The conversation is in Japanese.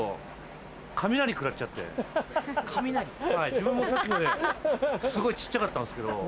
自分もさっきまですごい小っちゃかったんですけど。